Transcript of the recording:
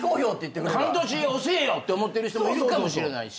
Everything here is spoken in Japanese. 半年遅えよって思ってる人もいるかもしれないし。